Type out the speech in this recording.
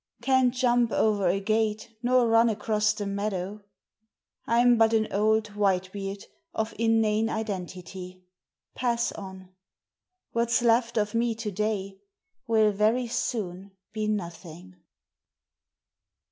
Can't jump over a gate nor run across the meadow. I'm but an old whitebeard of inane identity. Pass on! What's left of me to day will very soon be nothing.